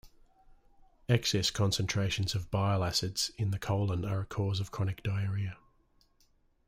Excess concentrations of bile acids in the colon are a cause of chronic diarrhea.